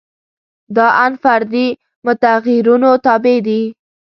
دا ان فردي متغیرونو تابع دي.